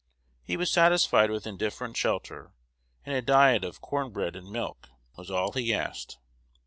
He was satisfied with indifferent shelter, and a diet of "corn bread and milk" was all he asked.